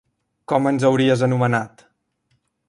Com ens hauries anomenat?